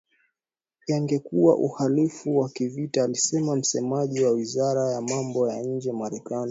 yangekuwa uhalifu wa kivita, alisema msemaji wa wizara ya mambo ya nje Marekani